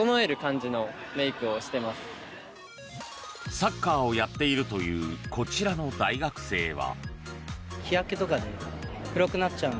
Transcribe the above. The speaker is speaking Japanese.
サッカーをやっているというこちらの大学生は。